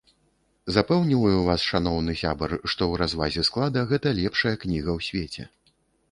Запэўніваю вас, шаноўны сябар, што ў развазе склада гэта лепшая кніга ў свеце.